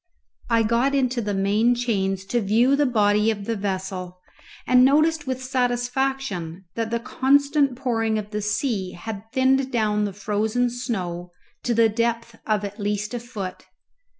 I got into the main chains to view the body of the vessel, and noticed with satisfaction that the constant pouring of the sea had thinned down the frozen snow to the depth of at least a foot.